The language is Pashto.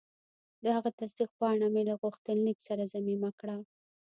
د هغه تصدیق پاڼه مې له غوښتنلیک سره ضمیمه کړه.